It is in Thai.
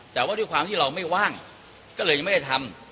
แต่ว่าด้วยความที่เราไม่ว่างก็เลยยังไม่ได้ทำ